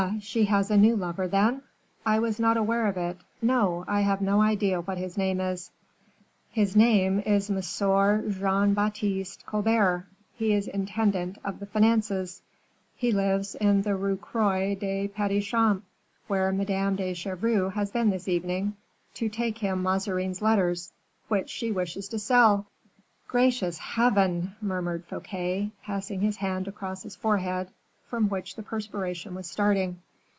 she has a new lover, then? I was not aware of it; no, I have no idea what his name is." "His name is M. Jean Baptiste Colbert; he is intendant of the finances: he lives in the Rue Croix des Petits Champs, where Madame de Chevreuse has been this evening to take him Mazarin's letters, which she wishes to sell." "Gracious Heaven!" murmured Fouquet, passing his hand across his forehead, from which the perspiration was starting.